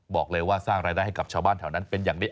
บอกเลยว่าสร้างรายได้ให้กับชาวบ้านแถวนั้นเป็นอย่างดี